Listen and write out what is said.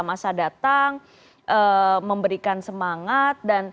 masa datang memberikan semangat